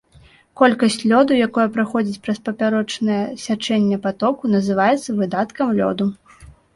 Колькасць лёду, якое праходзіць праз папярочнае сячэнне патоку, называецца выдаткам лёду.